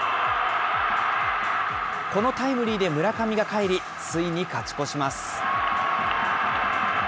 このタイムリーで村上がかえり、ついに勝ち越します。